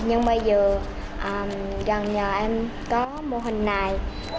nhưng bây giờ gần nhờ em có mô hình này